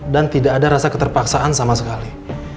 dan tidak ada rasa keterpaksaan sama sekali